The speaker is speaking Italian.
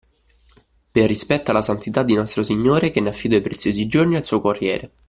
Per rispetto alla Santità di Nostro Signore, che ne affidò i preziosi giorni al suo Corriere